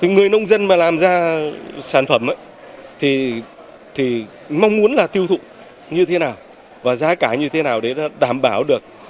người nông dân mà làm ra sản phẩm thì mong muốn là tiêu thụ như thế nào và giá cả như thế nào để đảm bảo được